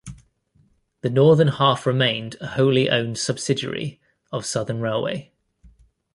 The northern half remained a wholly owned subsidiary of the Southern Railway.